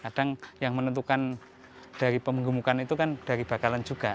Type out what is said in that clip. kadang yang menentukan dari pemenggungan itu kan dari bakalan juga